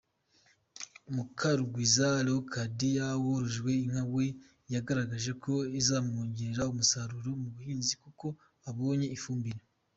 Mukarugwiza Leocadie worojwe inka we yagaragaje ko izamwongerera umusaruro mu buhinzi kuko abonye ifumbire.